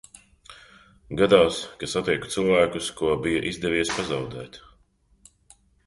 Gadās, ka satieku cilvēkus, ko bija izdevies pazaudēt.